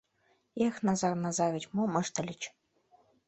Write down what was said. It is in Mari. Эх, Назар Назарыч, мом ыштыльыч?